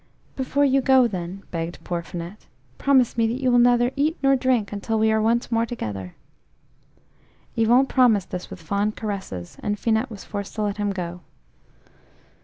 "Before you go, then," begged poor Finette, "promise me that you will neither eat nor drink until we are once more together." Yvon promised this with fond caresses, and Finette was forced to let him go.